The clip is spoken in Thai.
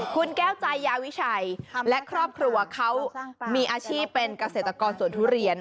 คุณแก้วใจยาวิชัยและครอบครัวเขามีอาชีพเป็นเกษตรกรสวนทุเรียน